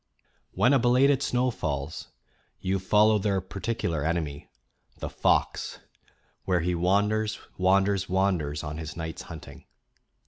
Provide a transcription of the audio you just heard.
When a belated snow falls, you follow their particular enemy, the fox, where he wanders, wanders, wander's on his night's hunting.